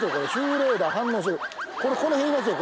これこの辺いますよ